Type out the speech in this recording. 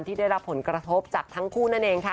ที่ได้รับผลกระทบจากทั้งคู่นั่นเองค่ะ